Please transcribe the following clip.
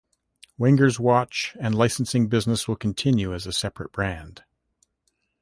Wenger's watch and licensing business will continue as a separate brand.